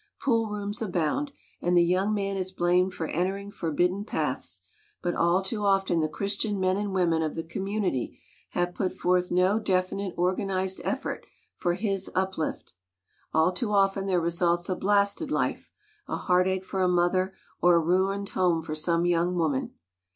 Pool rooms abound, and the young man is blamed for entering forbidden paths; but all too often the Christian men and women of the community have put forth no definite organ ized effort for his uplift. All too often there results a blasted life a heartache for a mother, or a ruined home for some young woman.